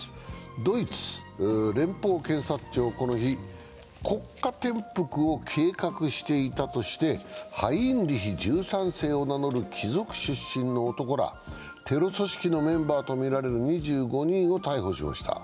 ドイツ、連邦検察庁、この日、国家転覆を計画していたとしてハインリヒ１３世を名乗る貴族出身の男らテロ組織のメンバーとみられる２５人を逮捕しました。